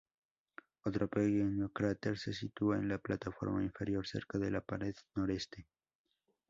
Otro pequeño cráter se sitúa en la plataforma interior cerca de la pared noreste.